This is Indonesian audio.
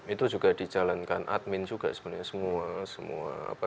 itu juga dijalankan admin juga sebenarnya semua